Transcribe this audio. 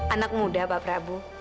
anak muda pak prabu